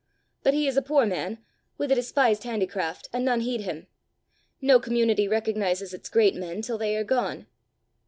But he is a poor man, with a despised handicraft, and none heed him. No community recognizes its great men till they are gone."